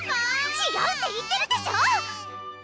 ちがうって言ってるでしょ！